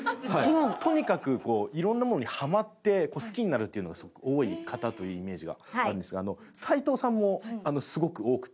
とにかくいろんなものにハマって好きになるっていうのがすごく多い方というイメージがあるんですが齊藤さんもすごく多くて。